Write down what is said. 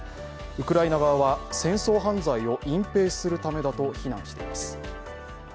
ウクライナ側は、戦争犯罪を隠蔽するためだと避難しています。